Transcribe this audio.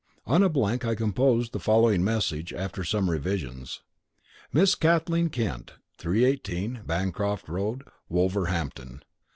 On a blank I composed the following message, after some revisions: MISS KATHLEEN KENT, 318, Bancroft Road, WOLVERHAMPTON.